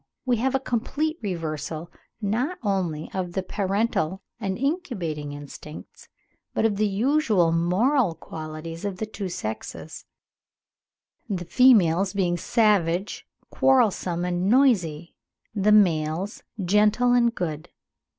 So that with this emu we have a complete reversal not only of the parental and incubating instincts, but of the usual moral qualities of the two sexes; the females being savage, quarrelsome, and noisy, the males gentle and good.